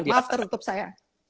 ini dia maaf tertutup saya